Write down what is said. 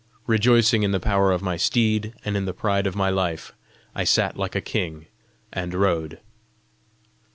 Rejoicing in the power of my steed and in the pride of my life, I sat like a king and rode.